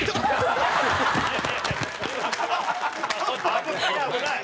危ない危ない！